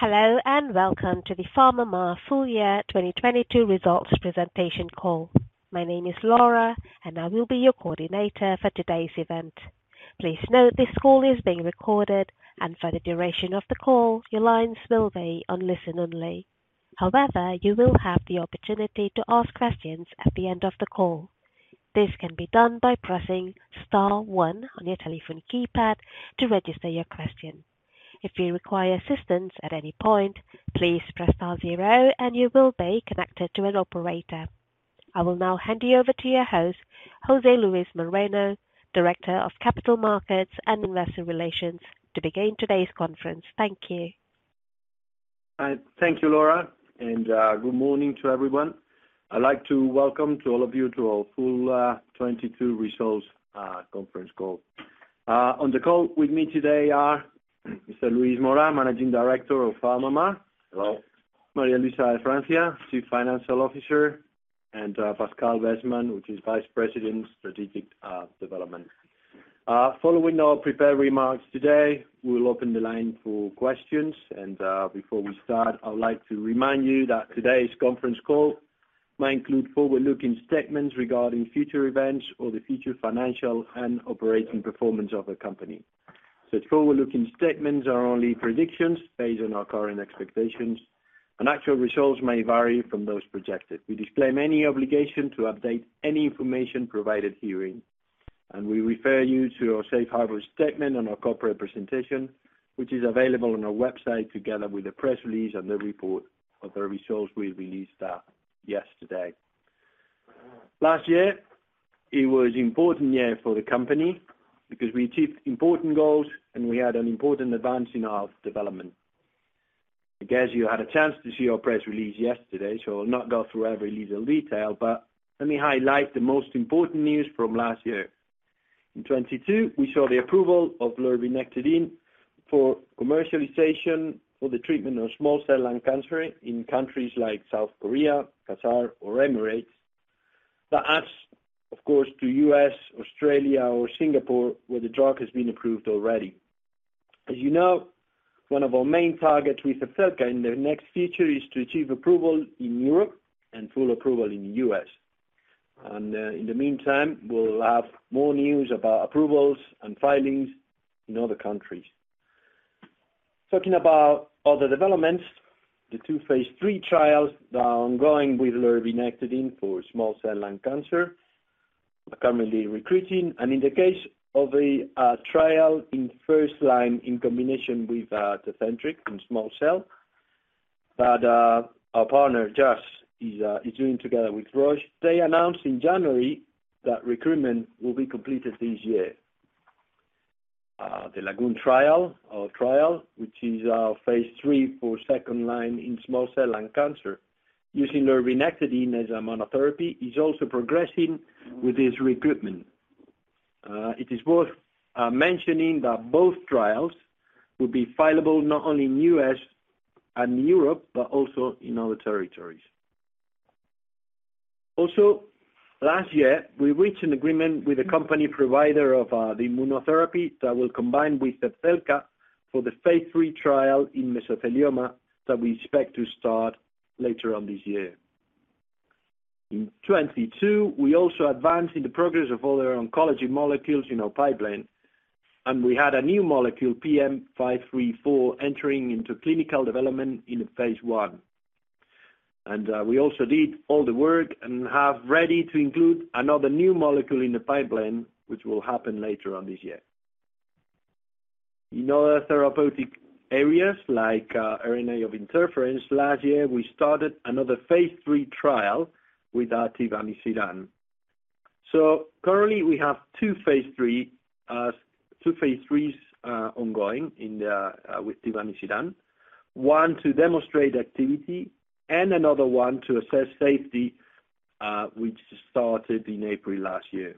Hello, and welcome to the PharmaMar Full Year 2022 Results Presentation Call. My name is Laura, and I will be your coordinator for today's event. Please note this call is being recorded, and for the duration of the call, your lines will be on listen only. However, you will have the opportunity to ask questions at the end of the call. This can be done by pressing star one on your telephone keypad to register your question. If you require assistance at any point, please press star zero and you will be connected to an operator. I will now hand you over to your host, José Luis Moreno, Director of Capital Markets and Investor Relations, to begin today's conference. Thank you. Thank you, Laura, and good morning to everyone. I'd like to welcome to all of you to our full 2022 results conference call. On the call with me today are Mr. Luis Mora, Managing Director of PharmaMar. Hello. María Luisa de Francia, Chief Financial Officer, and Pascal Besman, which is Vice President Strategic Development. Following our prepared remarks today, we will open the line for questions. Before we start, I would like to remind you that today's conference call might include forward-looking statements regarding future events or the future financial and operating performance of our company. Such forward-looking statements are only predictions based on our current expectations, and actual results may vary from those projected. We disclaim any obligation to update any information provided herein, and we refer you to our safe harbor statement on our corporate presentation, which is available on our website together with the press release and the report of the results we released yesterday. Last year, it was important year for the company because we achieved important goals, and we had an important advance in our development. I guess you had a chance to see our press release yesterday, so I'll not go through every little detail, but let me highlight the most important news from last year. In 2022, we saw the approval of lurbinectedin for commercialization for the treatment of small cell lung cancer in countries like South Korea, Qatar or Emirates. That adds, of course, to U.S., Australia or Singapore, where the drug has been approved already. As you know, one of our main targets with Zepzelca in the next future is to achieve approval in Europe and full approval in the U.S. In the meantime, we'll have more news about approvals and filings in other countries. Talking about other developments, the two phase III trials that are ongoing with lurbinectedin for small cell lung cancer are currently recruiting. In the case of a trial in first line in combination with Tecentriq in small cell that our partner, Jazz, is doing together with Roche, they announced in January that recruitment will be completed this year. The LAGOON trial, which is our phase III for second line in small cell lung cancer using lurbinectedin as a monotherapy, is also progressing with its recruitment. It is worth mentioning that both trials will be fileable not only in U.S. and Europe, but also in other territories. Also, last year, we reached an agreement with a company provider of the immunotherapy that will combine with Zepzelca for the phase III trial in mesothelioma that we expect to start later on this year. In 2022, we also advanced in the progress of other oncology molecules in our pipeline, and we had a new molecule, PM534, entering into clinical development in the phase I. We also did all the work and have ready to include another new molecule in the pipeline, which will happen later on this year. In other therapeutic areas like RNA interference, last year, we started another phase III trial with givosiran. Currently we have two phase IIIs ongoing with givosiran, one to demonstrate activity and another one to assess safety, which started in April last year.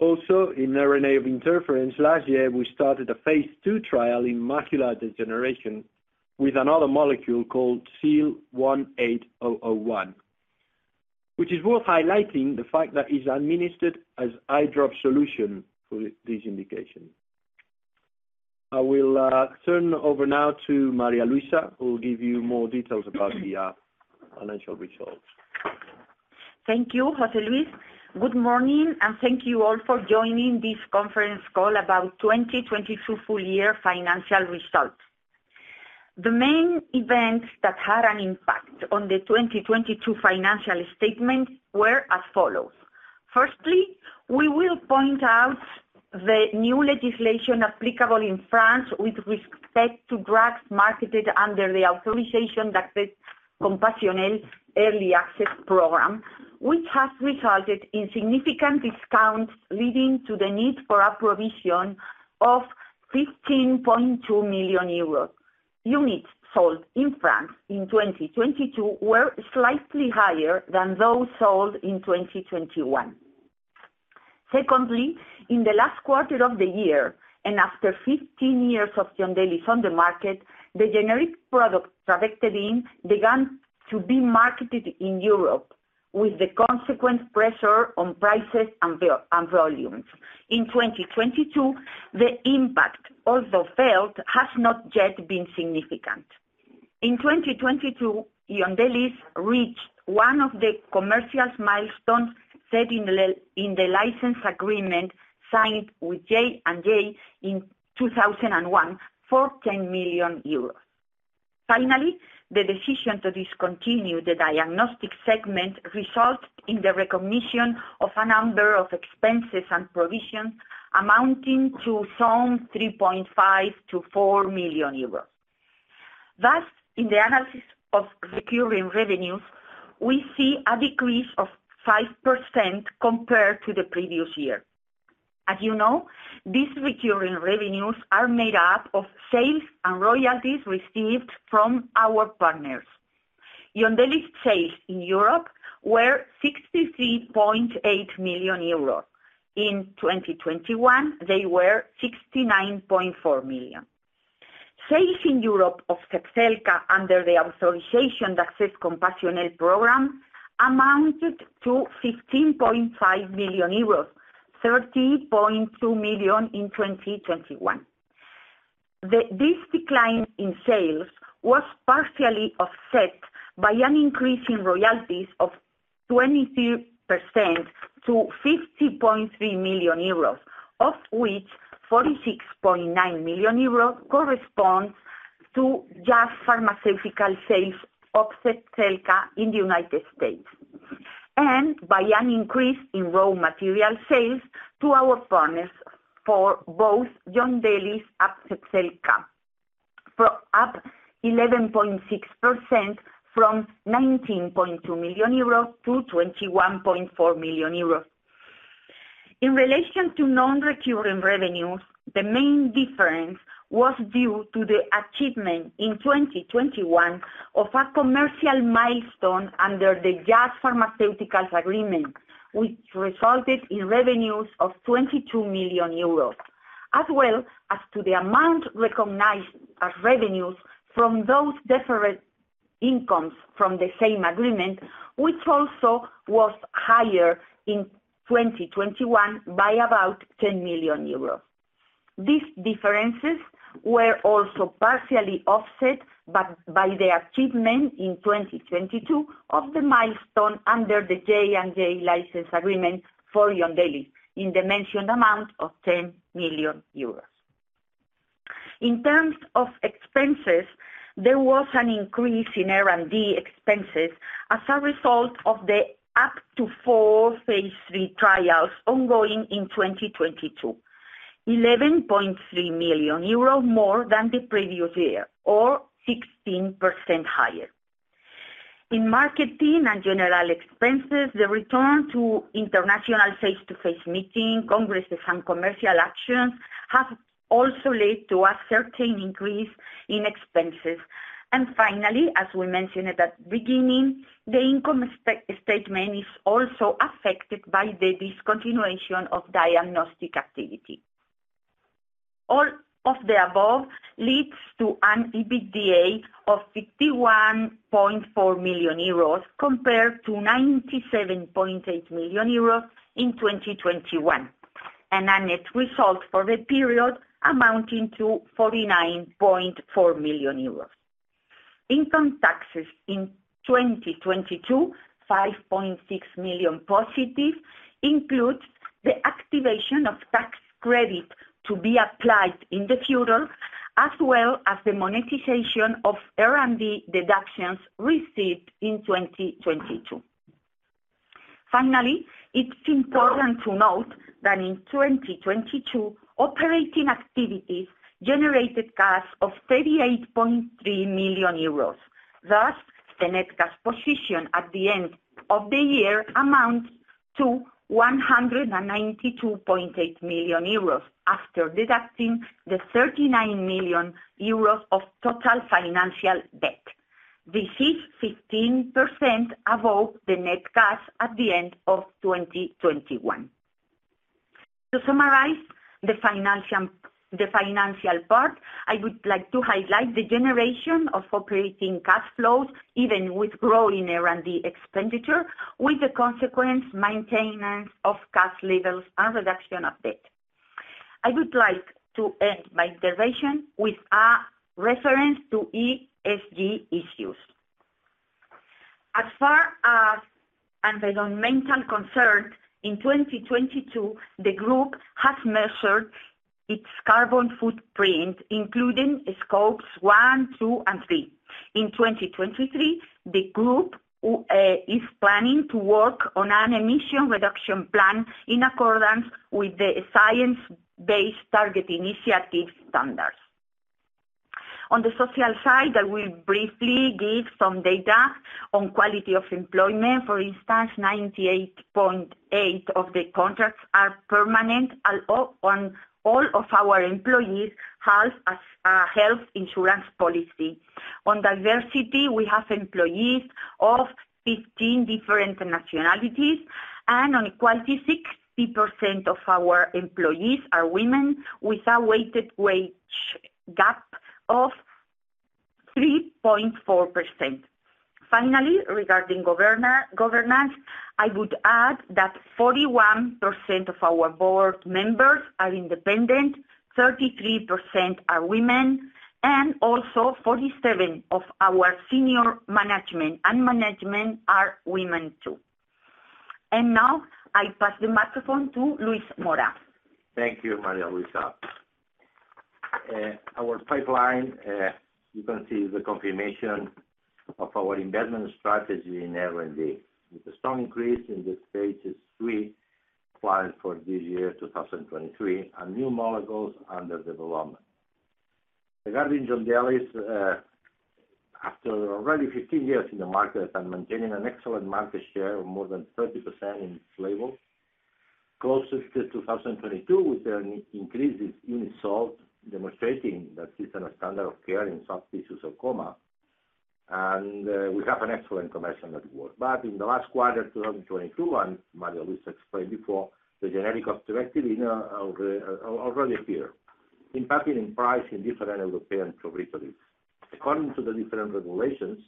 Also, in RNA interference, last year, we started a phase II trial in macular degeneration with another molecule called SYL1801, which is worth highlighting the fact that is administered as eye drop solution for this indication. I will turn over now to María Luisa, who will give you more details about the financial results. Thank you, José Luis. Good morning, thank you all for joining this conference call about 2022 full year financial results. The main events that had an impact on the 2022 financial statement were as follows. Firstly, we will point out the new legislation applicable in France with respect to drugs marketed under the autorisation d'accès compassionnel early access program, which has resulted in significant discounts leading to the need for a provision of 15.2 million euros. Units sold in France in 2022 were slightly higher than those sold in 2021. Secondly, in the last quarter of the year, after 15 years of Yondelis on the market, the generic product trabectedin began to be marketed in Europe. With the consequence pressure on prices and volumes. In 2022, the impact also felt has not yet been significant. In 2022, Yondelis reached one of the commercial milestones set in the license agreement signed with J&J in 2001 for 10 million euros. Finally, the decision to discontinue the diagnostic segment resulted in the recognition of a number of expenses and provisions amounting to some 3.5 million-4 million euros. Thus, in the analysis of recurring revenues, we see a decrease of 5% compared to the previous year. As you know, these recurring revenues are made up of sales and royalties received from our partners. Yondelis sales in Europe were 63.8 million euros. In 2021, they were 69.4 million. Sales in Europe of Zepzelca under the authorization access compassionate program amounted to 15.5 million euros, 13.2 million in 2021. This decline in sales was partially offset by an increase in royalties of 22% to 50.3 million euros, of which 46.9 million euros corresponds to Jazz Pharmaceuticals sales of Zepzelca in the United States, and by an increase in raw material sales to our partners for both Yondelis and Zepzelca for up 11.6% from 19.2 million euros to 21.4 million euros. In relation to non-recurring revenues, the main difference was due to the achievement in 2021 of a commercial milestone under the Jazz Pharmaceuticals agreement, which resulted in revenues of 22 million euros, as well as to the amount recognized as revenues from those deferred incomes from the same agreement, which also was higher in 2021 by about 10 million euros. These differences were also partially offset by the achievement in 2022 of the milestone under the J&J license agreement for Yondelis in the mentioned amount of 10 million euros. In terms of expenses, there was an increase in R&D expenses as a result of the up to four phase III trials ongoing in 2022. 11.3 million euros more than the previous year or 16% higher. In marketing and general expenses, the return to international face-to-face meeting, congresses, and commercial actions have also led to a certain increase in expenses. Finally, as we mentioned at the beginning, the income statement is also affected by the discontinuation of diagnostic activity. All of the above leads to an EBITDA of 51.4 million euros compared to 97.8 million euros in 2021, and a net result for the period amounting to 49.4 million euros. Income taxes in 2022, +5.6 million, includes the activation of tax credit to be applied in the future, as well as the monetization of R&D deductions received in 2022. It's important to note that in 2022, operating activities generated cash of 38.3 million euros. The net cash position at the end of the year amounts to 192.8 million euros after deducting the 39 million euros of total financial debt. This is 15% above the net cash at the end of 2021. To summarize the financial part, I would like to highlight the generation of operating cash flows, even with growing R&D expenditure, with the consequence maintenance of cash levels and reduction of debt. I would like to end my intervention with a reference to ESG issues. As far as environmental concern, in 2022, the group has measured its carbon footprint, including scopes one, two, and three. In 2023, the group is planning to work on an emission reduction plan in accordance with the Science-Based Targets initiative standards. On the social side, I will briefly give some data on quality of employment. For instance, 98.8 of the contracts are permanent and all of our employees have a health insurance policy. On diversity, we have employees of 15 different nationalities, and on equality, 60% of our employees are women with a weighted wage gap of 3.4%. Finally, regarding governance, I would add that 41% of our board members are independent, 33% are women, and also 47% of our senior management and management are women, too. Now, I pass the microphone to Luis Mora. Thank you, María Luisa. Our pipeline, you can see the confirmation of our investment strategy in R&D, with a strong increase in the phase III planned for this year, 2023, and new molecules under development. Regarding Yondelis, after already 15 years in the market and maintaining an excellent market share of more than 30% in its label, close to 2022, we've done increases in sales, demonstrating that it's in a standard of care in subtypes of sarcoma. We have an excellent commercial network. In the last quarter, 2022, and María Luisa explained before, the generic trabectedin already appear impacting price in different European territories. According to the different regulations,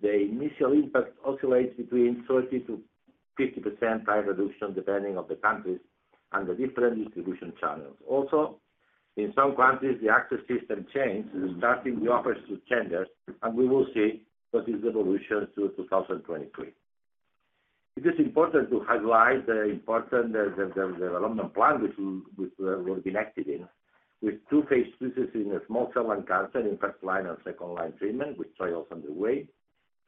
the initial impact oscillates between 30%-50% higher reduction depending on the countries and the different distribution channels. In some countries, the access system changed, starting new offers to tenders, and we will see what is the evolution through 2023. It is important to highlight the important development plan with lurbinectedin with two phase IIIs in the small cell lung cancer in first line and second line treatment with trials underway.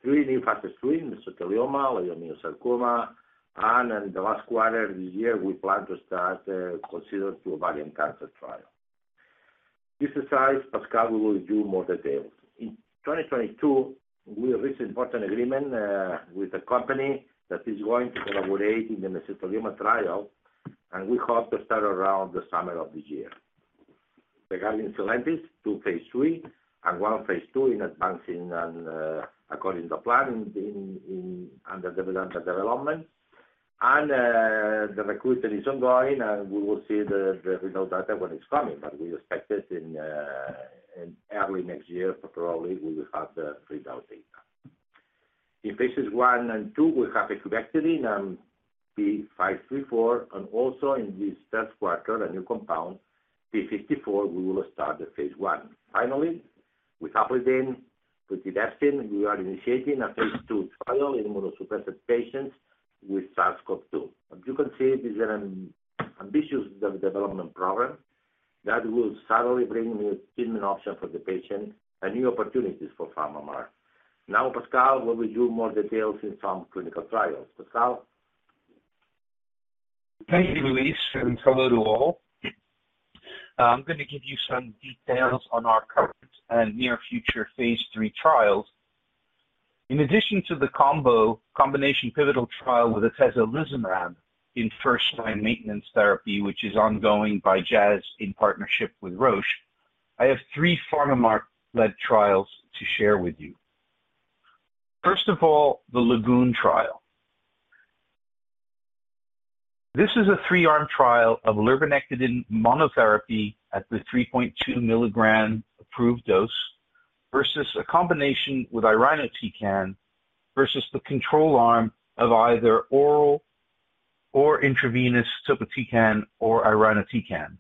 Three new cancer screening for mesothelioma or synovial sarcoma, and in the last quarter of the year, we plan to start consider two ovarian cancer trials. This aside, Pascal will review more details. In 2022, we reached important agreement with a company that is going to collaborate in the mesothelioma trial, and we hope to start around the summer of this year. Regarding Sylentis, two phase III and one phase II and advancing according to plan in under development. The recruitment is ongoing, and we will see the result data when it's coming. We expect it in early next year, probably we will have the result data. In phases I and II, we have trabectedin and PM534, and also in this third quarter, a new compound, PM54, we will start the phase I. Finally, with Aplidin, with plitidepsin, we are initiating a phase II trial in immunosuppressive patients with SARS-CoV-2. As you can see, this is an ambitious development program that will certainly bring new treatment option for the patient and new opportunities for PharmaMar. Now, Pascal will review more details in some clinical trials. Pascal? Thank you, Luis, and hello to all. I'm gonna give you some details on our current and near future phase III trials. In addition to the combination pivotal trial with atezolizumab in first-line maintenance therapy, which is ongoing by Jazz in partnership with Roche, I have three PharmaMar-led trials to share with you. First of all, the LAGOON trial. This is a three-arm trial of lurbinectedin monotherapy at the 3.2 mg approved dose versus a combination with irinotecan, versus the control arm of either oral or intravenous topotecan or irinotecan,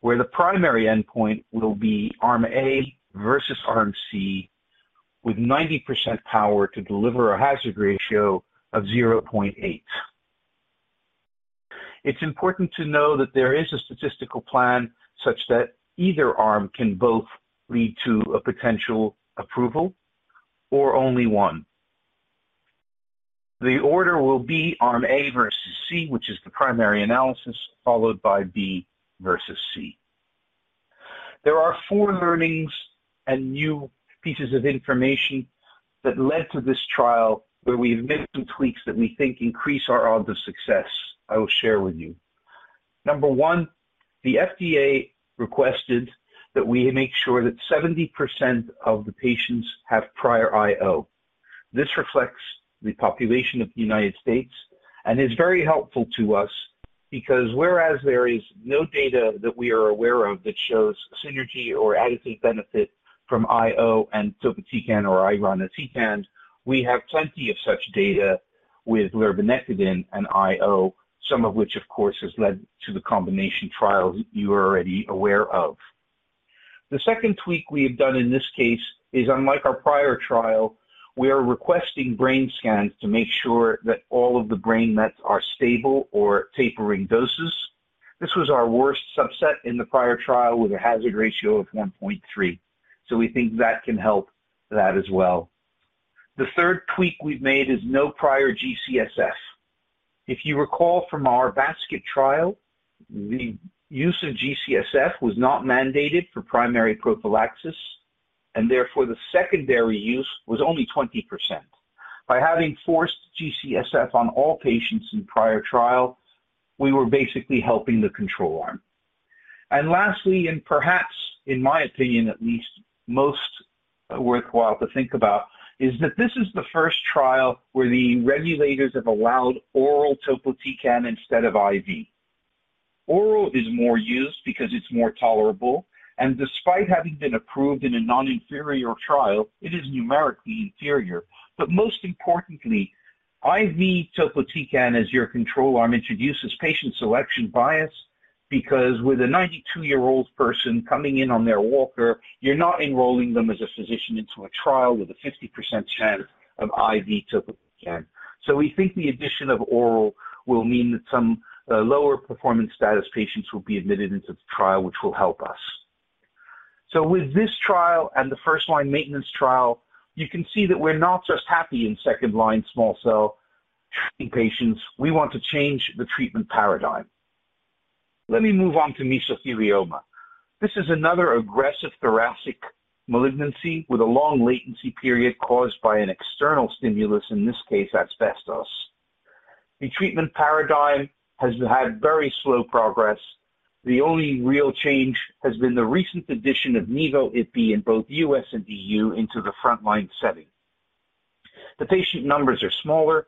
where the primary endpoint will be arm A versus arm C with 90% power to deliver a hazard ratio of 0.8. It's important to know that there is a statistical plan such that either arm can both lead to a potential approval or only one. The order will be arm A versus C, which is the primary analysis, followed by B versus C. There are four learnings and new pieces of information that led to this trial where we've made some tweaks that we think increase our odds of success I will share with you. Number one, the FDA requested that we make sure that 70% of the patients have prior IO. This reflects the population of the United States and is very helpful to us because whereas there is no data that we are aware of that shows synergy or additive benefit from IO and topotecan or irinotecan, we have plenty of such data with lurbinectedin and IO, some of which of course has led to the combination trial you are already aware of. The second tweak we have done in this case is, unlike our prior trial, we are requesting brain scans to make sure that all of the brain mets are stable or tapering doses. This was our worst subset in the prior trial with a hazard ratio of 1.3. We think that can help that as well. The third tweak we've made is no prior GCSF. If you recall from our basket trial, the use of GCSF was not mandated for primary prophylaxis, and therefore the secondary use was only 20%. By having forced GCSF on all patients in prior trial, we were basically helping the control arm. Lastly, and perhaps in my opinion at least, most worthwhile to think about is that this is the first trial where the regulators have allowed oral topotecan instead of IV. Oral is more used because it's more tolerable, and despite having been approved in a non-inferior trial, it is numerically inferior. Most importantly, IV topotecan as your control arm introduces patient selection bias, because with a 92-year-old person coming in on their walker, you're not enrolling them as a physician into a trial with a 50% chance of IV topotecan. We think the addition of oral will mean that some lower performance status patients will be admitted into the trial, which will help us. With this trial and the first-line maintenance trial, you can see that we're not just happy in second-line small cell treating patients, we want to change the treatment paradigm. Let me move on to mesothelioma. This is another aggressive thoracic malignancy with a long latency period caused by an external stimulus, in this case, asbestos. The treatment paradigm has had very slow progress. The only real change has been the recent addition of nivo-ipi in both U.S. and E.U. into the front-line setting. The patient numbers are smaller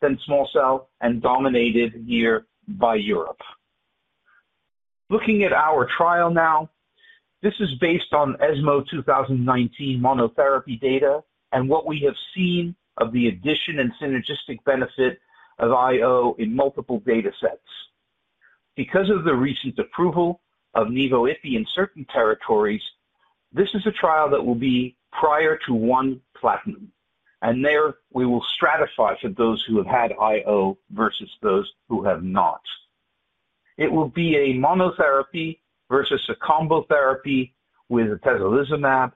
than small cell and dominated here by Europe. Looking at our trial now, this is based on ESMO 2019 monotherapy data and what we have seen of the addition and synergistic benefit of IO in multiple datasets. Because of the recent approval of nivo-ipi in certain territories, this is a trial that will be prior to one platinum, and there we will stratify for those who have had IO versus those who have not. It will be a monotherapy versus a combo therapy with atezolizumab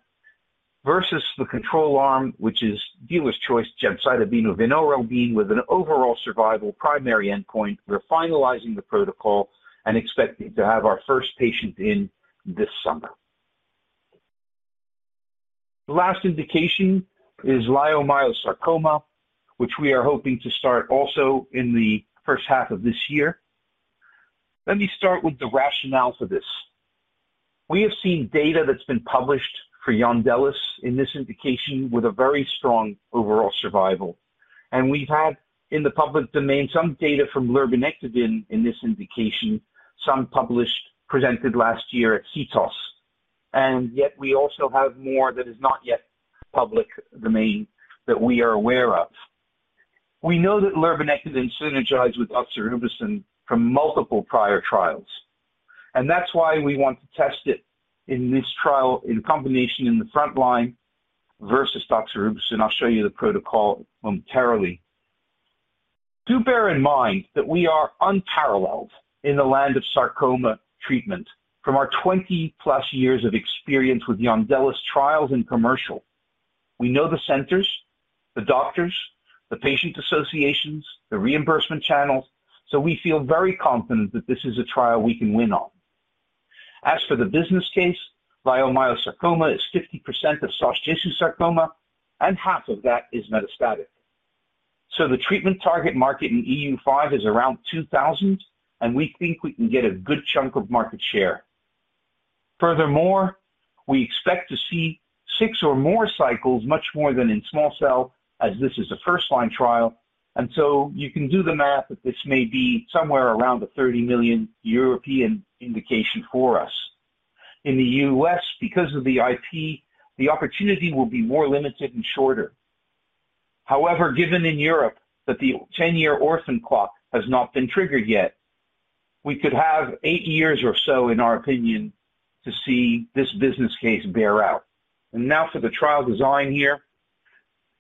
versus the control arm, which is dealer's choice gemcitabine or vinorelbine with an overall survival primary endpoint. We're finalizing the protocol and expecting to have our first patient in this summer. The last indication is leiomyosarcoma, which we are hoping to start also in the first half of this year. Let me start with the rationale for this. We have seen data that's been published for Yondelis in this indication with a very strong overall survival. We've had in the public domain some data from lurbinectedin in this indication, some published, presented last year at CTOS, and yet we also have more that is not yet public domain that we are aware of. We know that lurbinectedin synergized with doxorubicin from multiple prior trials. That's why we want to test it in this trial in combination in the front line versus doxorubicin. I'll show you the protocol momentarily. Do bear in mind that we are unparalleled in the land of sarcoma treatment from our 20+ years of experience with Yondelis trials and commercial. We know the centers, the doctors, the patient associations, the reimbursement channels. We feel very confident that this is a trial we can win on. As for the business case, leiomyosarcoma is 50% of soft tissue sarcoma. Half of that is metastatic. The treatment target market in EU5 is around 2,000. We think we can get a good chunk of market share. Furthermore, we expect to see six or more cycles, much more than in small cell, as this is a first-line trial. You can do the math that this may be somewhere around the 30 million European indication for us. In the U.S., because of the IP, the opportunity will be more limited and shorter. Given in Europe that the 10-year orphan clock has not been triggered yet, we could have eight years or so, in our opinion, to see this business case bear out. Now for the trial design here.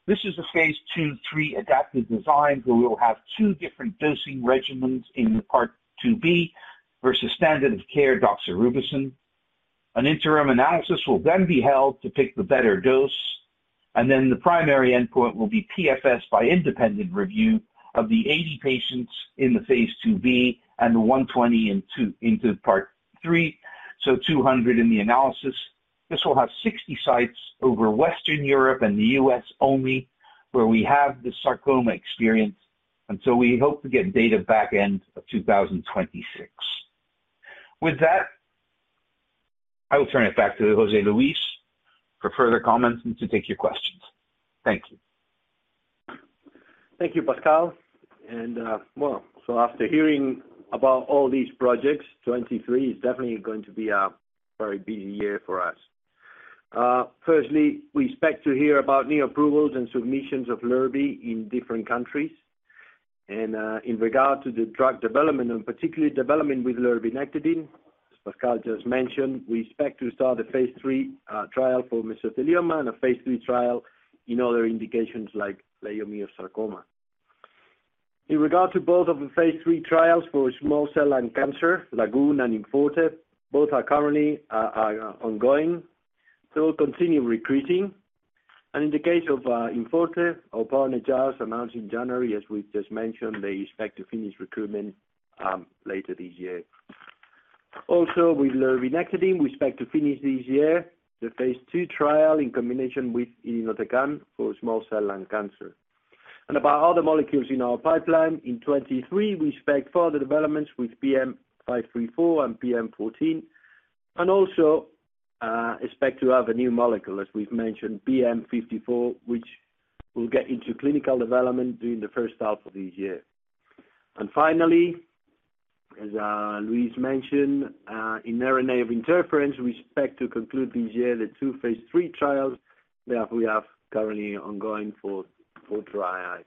This is a phase II/III adaptive design. We will have two different dosing regimens in the part II-B versus standard of care doxorubicin. An interim analysis will then be held to pick the better dose, and then the primary endpoint will be PFS by independent review of the 80 patients in the phase II-B and the 120 into part three, so 200 in the analysis. This will have 60 sites over Western Europe and the U.S. only, where we have the sarcoma experience. We hope to get data back end of 2026. With that, I will turn it back to José Luis for further comments and to take your questions. Thank you. Thank you, Pascal. After hearing about all these projects, 2023 is definitely going to be a very busy year for us. Firstly, we expect to hear about new approvals and submissions of lurbi in different countries. In regard to the drug development and particularly development with lurbinectedin, as Pascal just mentioned, we expect to start the phase III trial for mesothelioma and a phase III trial in other indications like leiomyosarcoma. In regard to both of the phase III trials for small cell lung cancer, LAGOON and IMforte, both are currently ongoing. They will continue recruiting. In the case of IMforte, our partner, Jazz, announced in January, as we just mentioned, they expect to finish recruitment later this year. Also, with lurbinectedin, we expect to finish this year the phase II trial in combination with irinotecan for small cell lung cancer. About other molecules in our pipeline, in 2023, we expect further developments with PM534 and PM14 and also expect to have a new molecule, as we've mentioned, PM54, which will get into clinical development during the first half of this year. Finally, as Luis mentioned, in RNA interference, we expect to conclude this year the two phase III trials that we have currently ongoing for dry eye.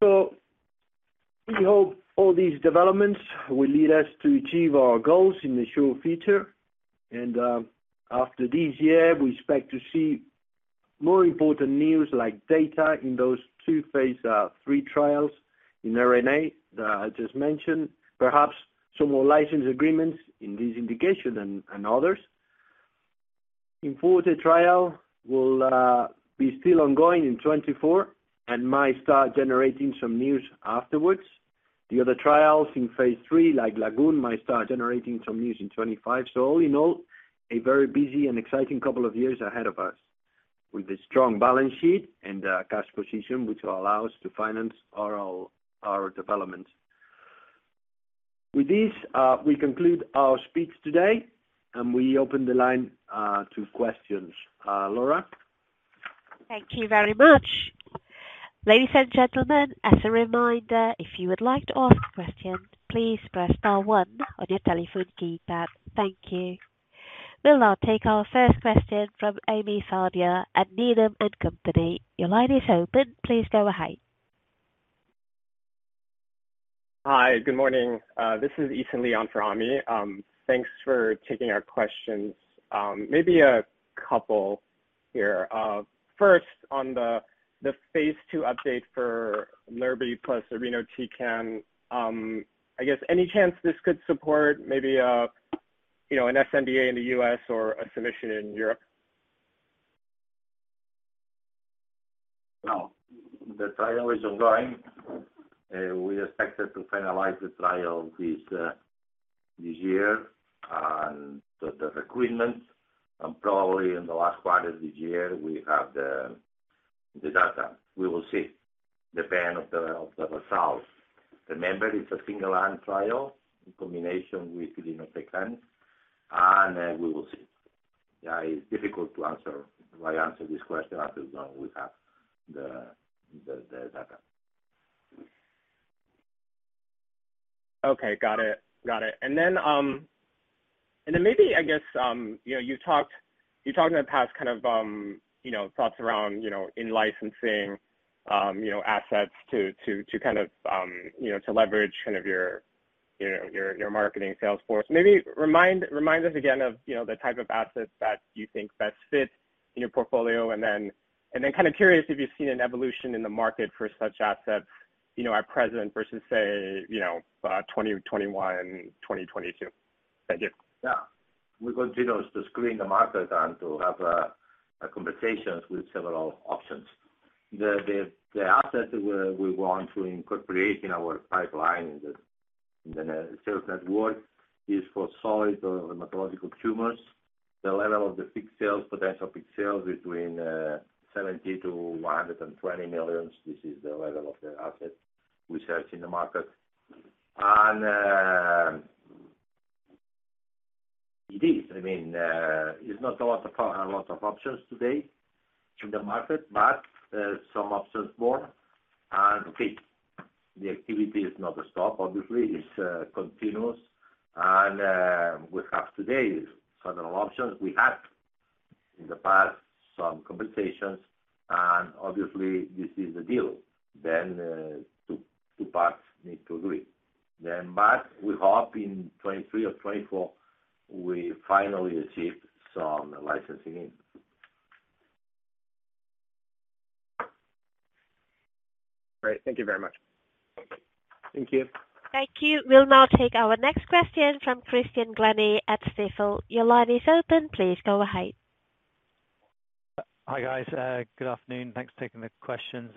We hope all these developments will lead us to achieve our goals in the sure future. After this year, we expect to see more important news like data in those two phase III trials in RNA that I just mentioned. Perhaps some more license agreements in this indication and others. IMforte, the trial will be still ongoing in 2024 and might start generating some news afterwards. The other trials in phase III, like LAGOON, might start generating some news in 2025. All in all, a very busy and exciting couple of years ahead of us. With a strong balance sheet and cash position, which will allow us to finance our developments. With this, we conclude our speech today, and we open the line to questions. Laura? Thank you very much. Ladies and gentlemen, as a reminder, if you would like to ask questions, please press star one on your telephone keypad. Thank you. We'll now take our first question from Ami Fadia at Needham and Company. Your line is open. Please go ahead. Hi. Good morning. This is Eason Lee for Ami. Thanks for taking our questions. Maybe a couple here. First, on the phase II update for lurbi plus irinotecan, I guess any chance this could support maybe, you know, an sNDA in the U.S. or a submission in Europe? No. The trial is ongoing. We expected to finalize the trial this year and the recruitment. Probably in the last quarter of this year, we have the data. We will see depending of the results. Remember, it's a single arm trial in combination with irinotecan, and then we will see. It's difficult to answer, why answer this question after when we have the data. Okay. Got it. Got it. Then, maybe, I guess, you know, you talked in the past kind of thoughts around, you know, in-licensing, you know, assets to leverage, kind of, your marketing sales force. Maybe remind us again of, you know, the type of assets that you think best fit in your portfolio. Then, kinda curious if you've seen an evolution in the market for such assets, you know, at present versus say, you know, 2021, 2022. Thank you. Yeah. We continue to screen the market and to have conversations with several options. The assets where we want to incorporate in our pipeline in the sales network is for solid or hematological tumors. The level of the peak sales, potential peak sales between 70 million to 120 million. This is the level of the asset we search in the market. It is. I mean, it's not a lot of options today in the market, some options more. The activity is not a stop, obviously. It's continuous. We have today several options. We had in the past some conversations and obviously this is the deal. Two parts need to agree. We hope in 2023 or 2024, we finally achieve some licensing in. Great. Thank you very much. Thank you. Thank you. We'll now take our next question from Christian Glennie at Stifel. Your line is open. Please go ahead. Hi, guys. Good afternoon. Thanks for taking the questions.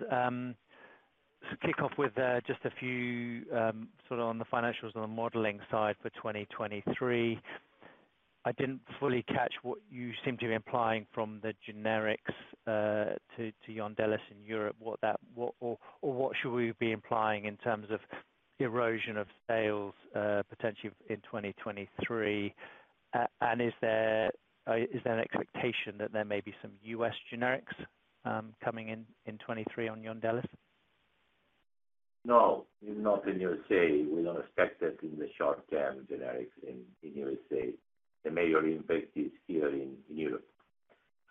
To kick off with, just a few, sort of on the financials and the modeling side for 2023. I didn't fully catch what you seem to be implying from the generics, to Yondelis in Europe. What should we be implying in terms of erosion of sales, potentially in 2023? Is there an expectation that there may be some U.S. generics coming in 2023 on Yondelis? No, not in U.S.A. We don't expect it in the short term, generics in U.S.A. The major impact is here in Europe.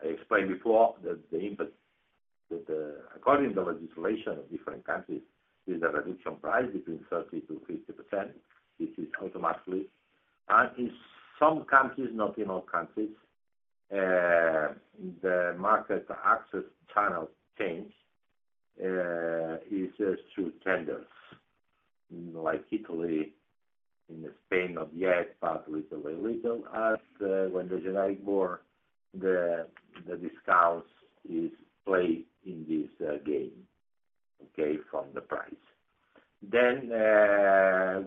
I explained before that the impact that, according to legislation of different countries, there's a reduction price between 30% to 50%, which is automatically. In some countries, not in all countries, the market access channel change is just through tenders. Like Italy, in Spain, not yet, but little by little as when the generic more the discounts is played in this game, okay? From the price. Then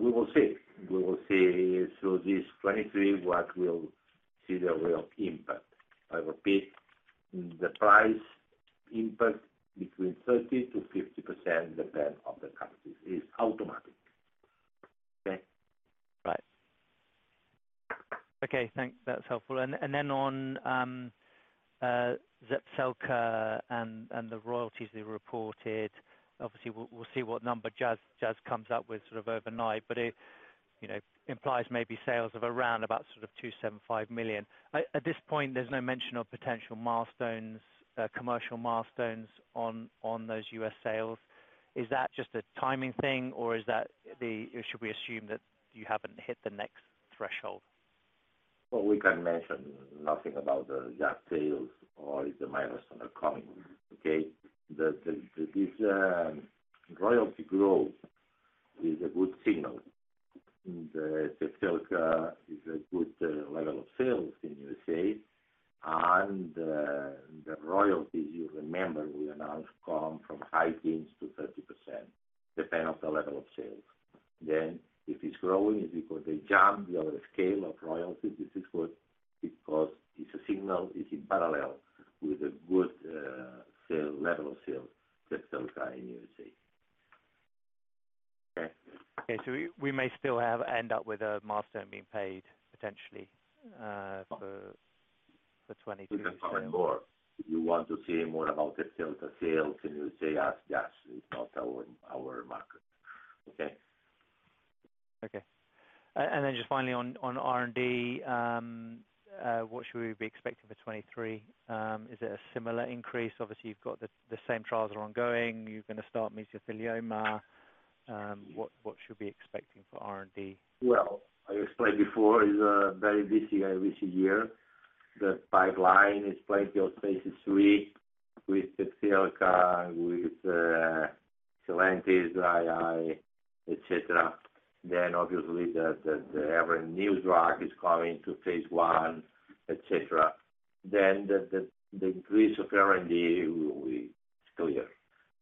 we will see. We will see through this 2023 what we'll see the real impact. I repeat, the price impact between 30% to 50% depends on the country. It's automatic. Okay? Okay, thanks. That's helpful. Then on Zepzelca and the royalties they reported. Obviously, we'll see what number Jazz comes up with sort of overnight, but it, you know, implies maybe sales of around about sort of $275 million. At this point, there's no mention of potential milestones, commercial milestones on those U.S. sales. Is that just a timing thing, or should we assume that you haven't hit the next threshold? Well, we can mention nothing about the Jazz sales or if the milestone are coming. Okay. The royalty growth is a good signal. The Zepzelca is a good level of sales in U.S.A., and the royalties you remember we announced come from high teens to 30%, depend of the level of sales. If it's growing, if you put a jump the other scale of royalties, this is good because it's a signal, it's in parallel with a good level of sales Zepzelca in U.S.A. Okay. Okay. We may still have end up with a milestone being paid potentially for 2022. We can comment more. If you want to see more about the Zepzelca sales, you say ask Jazz. It's not our market. Okay? Okay. Then just finally on R&D, what should we be expecting for 2023? Is it a similar increase? Obviously, you've got the same trials are ongoing. You're gonna start mesothelioma. What should we be expecting for R&D? Well, I explained before, it's a very busy year. The pipeline is plenty of phase III with Zepzelca, with Sylentis, et cetera. Obviously the every new drug is coming to phase I, et cetera. The increase of R&D will be clear.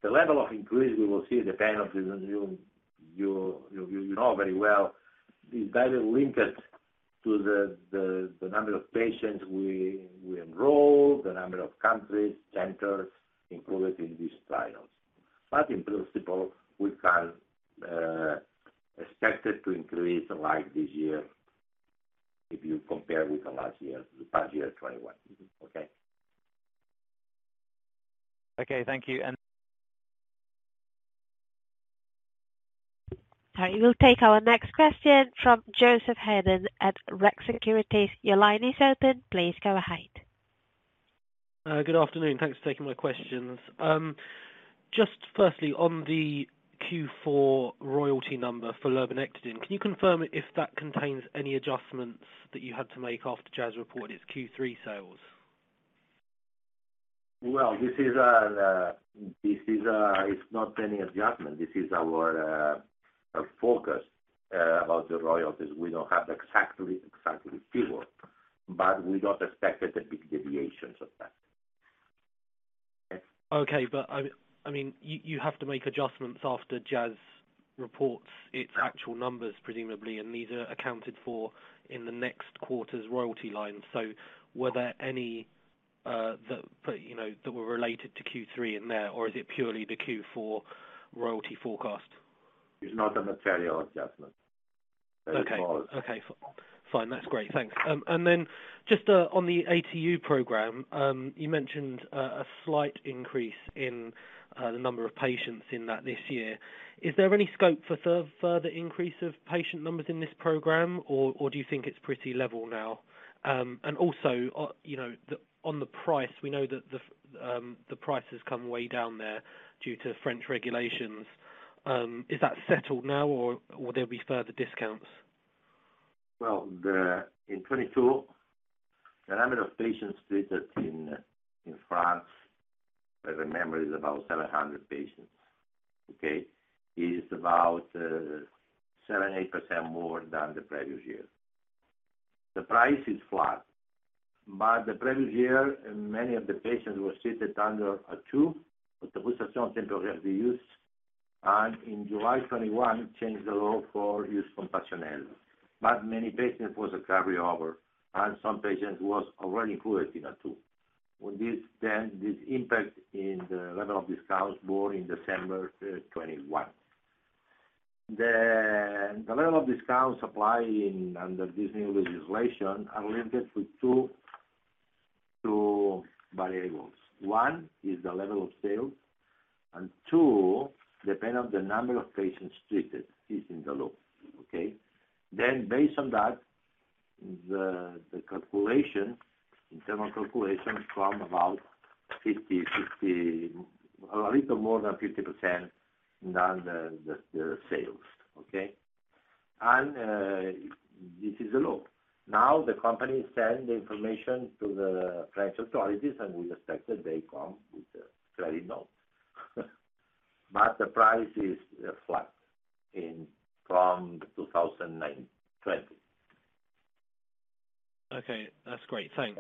The level of increase we will see depend on the new. You know very well is very linked to the number of patients we enroll, the number of countries, centers included in these trials. In principle, we can expect it to increase like this year if you compare with the last year, the past year, 2021. Okay. Okay. Thank you. All right. We'll take our next question from Joseph Hedden at Rx Securities. Your line is open. Please go ahead. Good afternoon. Thanks for taking my questions. Just firstly, on the Q4 royalty number for lurbinectedin, can you confirm if that contains any adjustments that you had to make after Jazz reported its Q3 sales? It's not any adjustment. This is our forecast, about the royalties. We don't have exactly Q4. We don't expect a big deviations of that. Okay. Okay. I mean, you have to make adjustments after Jazz reports its actual numbers, presumably, and these are accounted for in the next quarter's royalty line. Were there any, you know, that were related to Q3 in there, or is it purely the Q4 royalty forecast? It's not a material adjustment. Okay. Fine. That's great. Thanks. On the ATU program, you mentioned a slight increase in the number of patients in that this year. Is there any scope for further increase of patient numbers in this program or do you think it's pretty level now? Also, you know, on the price, we know that the price has come way down there due to French regulations. Is that settled now or will there be further discounts? Well, in 2022, the number of patients treated in France, if I remember, is about 700 patients. Okay? Is about 7%-8% more than the previous year. The price is flat, but the previous year, many of the patients were treated under ATU, autorisation temporaire d’utilisation. In July 2021, changed the law for autorisation d'accès compassionnel. Many patients was a carryover, and some patients was already included in ATU. With this impact in the level of discounts more in December 2021. The level of discounts apply under this new legislation are linked with two variables. One is the level of sales, and two, depend on the number of patients treated is in the loop. Okay? Based on that, the calculation, internal calculation from about 50%, a little more than 50% than the sales. Okay? This is the law. Now the company send the information to the French authorities, and we expect that they come with a credit note. The price is flat from 2019, 2020. Okay. That's great. Thanks.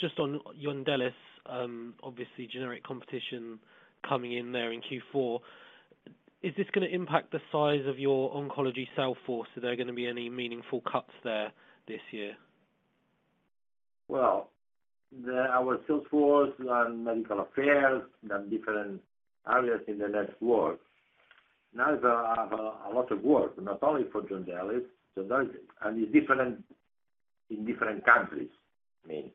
Just on Yondelis, obviously generic competition coming in there in Q4. Is this gonna impact the size of your oncology sales force? Are there gonna be any meaningful cuts there this year? Well, our sales force and medical affairs and different areas in the next work. Now they have a lot of work, not only for Yondelis, and it's different in different countries. I mean,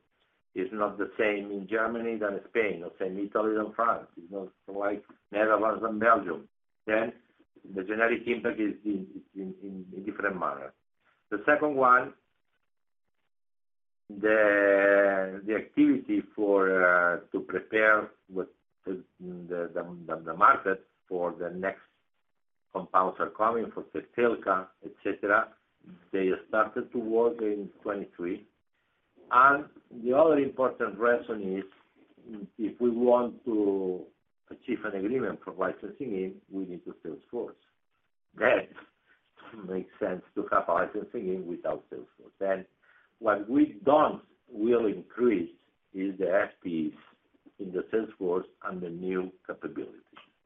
it's not the same in Germany than Spain, or same Italy than France. It's not like Netherlands than Belgium. The generic impact is in different manner. The second one, the activity for to prepare with the market for the next compounds are coming for the Zepzelca, et cetera. They started to work in 2023. The other important reason is if we want to achieve an agreement for licensing, we need the sales force. It makes sense to have licensing without sales force. What we don't will increase is the SPs in the sales force and the new capability.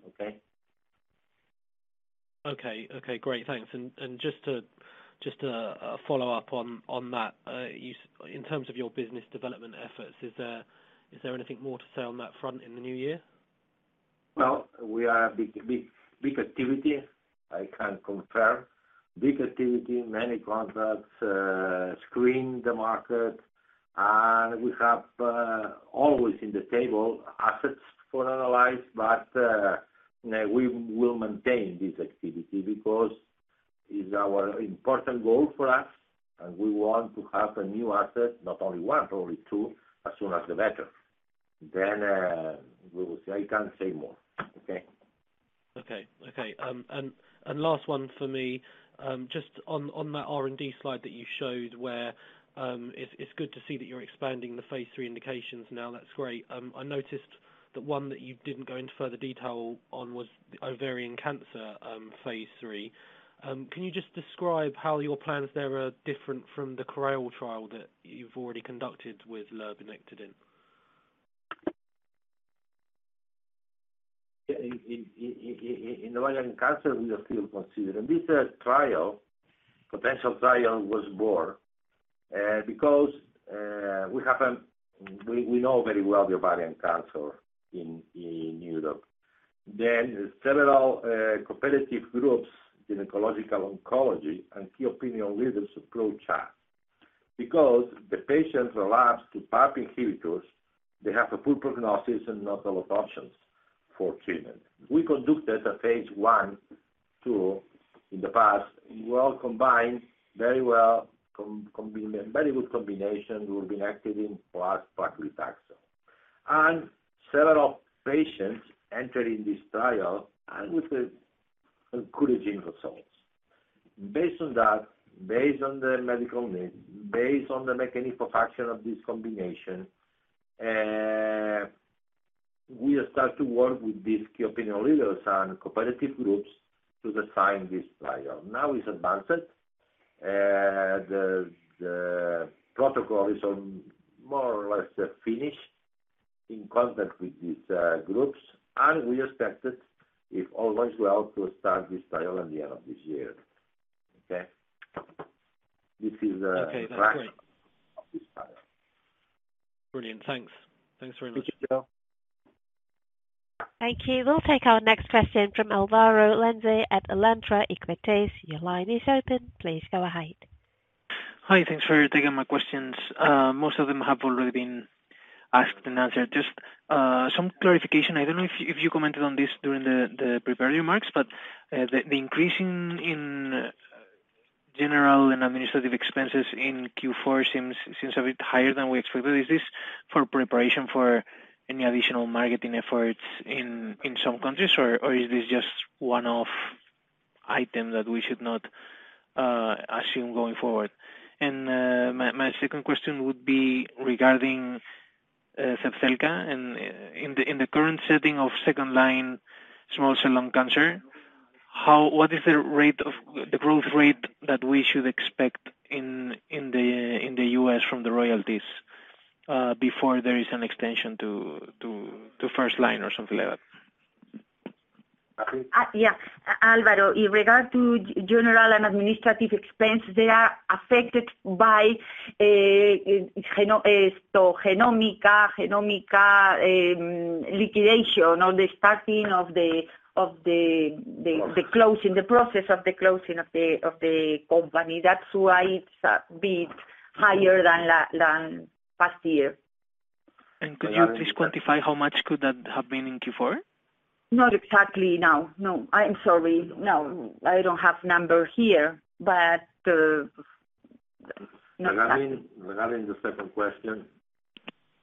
Okay? Okay. Okay. Great. Thanks. Just to follow up on that, in terms of your business development efforts, is there anything more to say on that front in the new year? Well, we are big activity. I can confirm. Big activity, many contracts, screen the market. We have always in the table assets for analyze, we will maintain this activity because it's our important goal for us, and we want to have a new asset, not only one, not only two, as soon as the better. We will see. I can't say more. Okay? Okay. Last one for me, just on that R&D slide that you showed where it's good to see that you're expanding the phase III indications now. That's great. I noticed the one that you didn't go into further detail on was ovarian cancer, phase III. Can you just describe how your plans there are different from the CORAIL trial that you've already conducted with lurbinectedin? Yeah. In ovarian cancer, we are still considering. This trial, potential trial was born because we haven't. We know very well the ovarian cancer in Europe. Several competitive groups in gynecological oncology and key opinion leaders approach us. Because the patients relapse to PARP inhibitors, they have a poor prognosis and not a lot of options for treatment. We conducted a phase I, II in the past. Well combined, very well combination, very good combination, lurbinectedin plus paclitaxel. Several patients entered in this trial, and with the encouraging results. Based on that, based on the medical needs, based on the mechanism of action of this combination, we start to work with these key opinion leaders and competitive groups to design this trial. Now it's advanced. The protocol is on more or less finished in contact with these groups. We expected, if all goes well, to start this trial at the end of this year. Okay? Okay. That's great. This is start of this trial. Brilliant. Thanks. Thanks very much. Thank you, Joe. Thank you. We'll take our next question from Álvaro Lenze at Alantra Equities. Your line is open. Please go ahead. Hi. Thanks for taking my questions. Most of them have already been asked and answered. Just some clarification. I don't know if you commented on this during the prepared remarks, but the increasing in general and administrative expenses in Q4 seems a bit higher than we expected. Is this for preparation for any additional marketing efforts in some countries? Or is this just one-off item that we should not assume going forward? My second question would be regarding Zepzelca in the current setting of second-line small cell lung cancer. What is the rate of the growth rate that we should expect in the U.S. from the royalties before there is an extension to first-line or something like that? Maria? Yeah. Alvaro, in regard to general and administrative expense, they are affected by Genomica liquidation or the starting of the closing, the process of the closing of the company. That's why it's a bit higher than past year. Could you please quantify how much could that have been in Q4? Not exactly now, no. I am sorry, no. I don't have number here, but not exactly. Regarding the second question,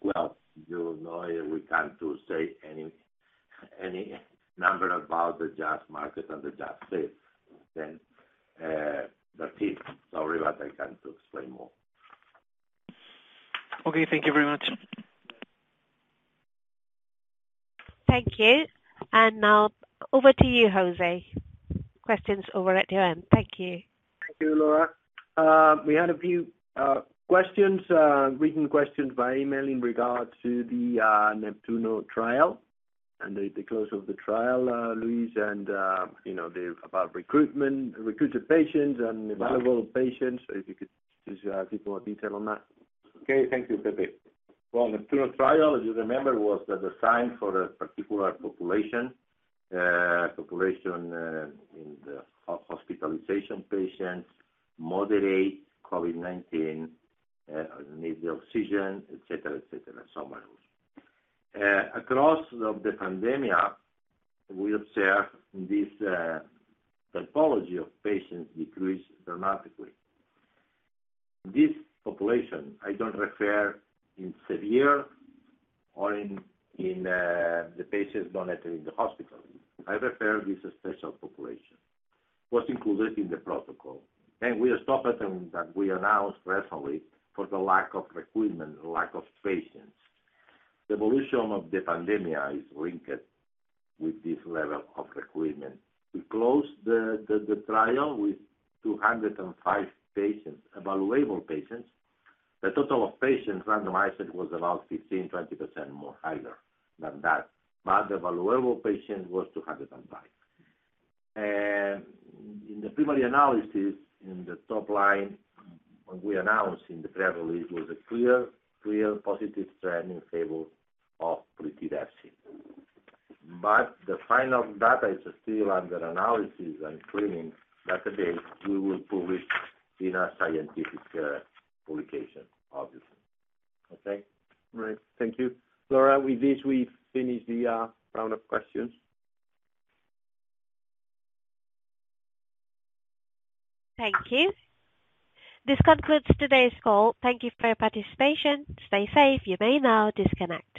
well, you know we can't to say any number about the Jazz market and the Jazz space. Okay? That's it. Sorry that I can't to explain more. Okay, thank you very much. Thank you. Now over to you, José. Questions over at your end. Thank you. Thank you, Laura. We had a few questions, written questions by email in regards to the NEPTUNO trial. The close of the trial, Luis, and, you know, about recruitment, recruited patients and available patients, if you could just give more detail on that? Okay. Thank you, Pepe. Well, the two trial, as you remember, was designed for a particular population. Population in the hospitalization patients, moderate COVID-19, need the oxygen, et cetera, et cetera, so on and so forth. Across of the pandemic, we observe this pathology of patients decreased dramatically. This population, I don't refer in severe or in the patients admitted in the hospital. I refer this special population, what's included in the protocol. We have stopped it, and that we announced recently, for the lack of recruitment, lack of patients. The evolution of the pandemic is linked with this level of recruitment. We closed the trial with 205 patients, evaluable patients. The total of patients randomized was about 15%, 20% more higher than that, but evaluable patient was 205. In the primary analysis, in the top line, when we announced in the press release, was a clear positive trending favor of plitidepsin. The final data is still under analysis and screening that today we will publish in a scientific publication, obviously. Okay. All right. Thank you. Laura, with this, we finish the round of questions. Thank you. This concludes today's call. Thank you for your participation. Stay safe. You may now disconnect.